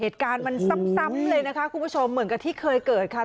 เหตุการณ์มันซ้ำเลยนะคะคุณผู้ชมเหมือนกับที่เคยเกิดค่ะ